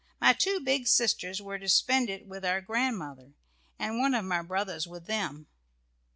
My two big sisters were to spend it with our grandmother, and one of my brothers with them.